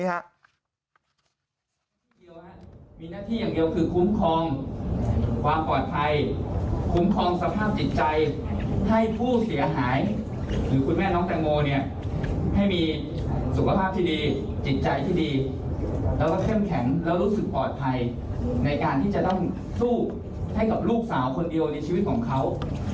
มีหน้าที่อย่างเดียวคือคุ้มครองความปลอดภัยคุ้มครองสภาพจิตใจให้ผู้เสียหายหรือคุณแม่น้องแตงโมเนี่ยให้มีสุขภาพที่ดีจิตใจที่ดีแล้วก็เข้มแข็งแล้วรู้สึกปลอดภัยในการที่จะต้องสู้ให้กับลูกสาวคนเดียวในชีวิตของเขา